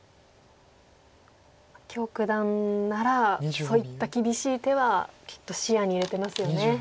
許九段ならそういった厳しい手はきっと視野に入れてますよね。